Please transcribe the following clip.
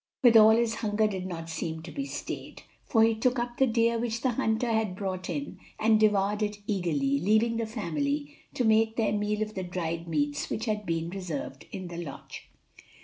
Withal his hunger did not seem to be staid, for he took up the deer which the hunter had brought in and devoured it eagerly, leaving the family to make their meal of the dried meats which had been reserved in the lodge.